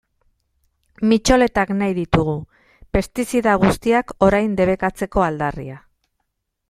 Mitxoletak nahi ditugu, pestizida guztiak orain debekatzeko aldarria.